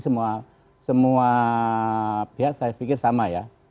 semua pihak saya pikir sama ya